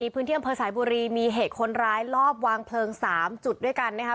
พื้นที่อำเภอสายบุรีมีเหตุคนร้ายลอบวางเพลิง๓จุดด้วยกันนะครับ